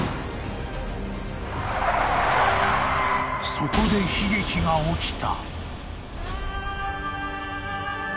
［そこで悲劇が起きた］